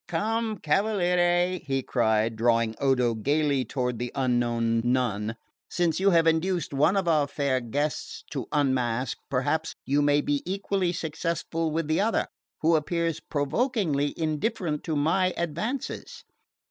"Come cavaliere," he cried, drawing Odo gaily toward the unknown nun, "since you have induced one of our fair guests to unmask perhaps you may be equally successful with the other, who appears provokingly indifferent to my advances."